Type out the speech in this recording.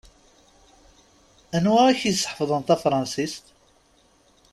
Anwa i ak-iseḥfaḍen tafṛansist?